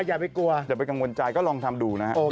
เดี๋ยวไปกังวลใจก็ลองทำดูนะครับ